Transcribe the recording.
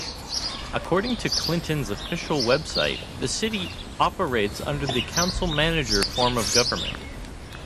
According to Clinton's official website, the city "operates under the council-manager form of government".